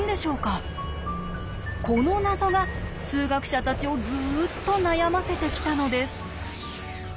この謎が数学者たちをずっと悩ませてきたのです。